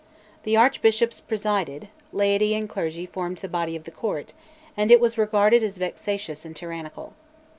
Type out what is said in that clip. The Archbishops presided, laity and clergy formed the body of the Court, and it was regarded as vexatious and tyrannical.